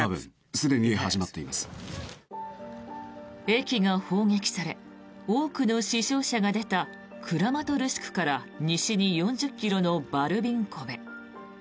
駅が砲撃され多くの死傷者が出たクラマトルシクから西に４０ｋｍのバルビンコベ。